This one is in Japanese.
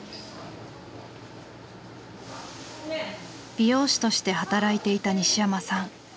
美容師として働いていた西山さん。